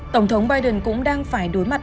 tổng thống biden cũng đang phải đối mặt